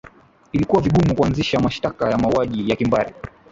ilikuwa vigumu kuanzisha mashtaka ya mauaji ya kimbari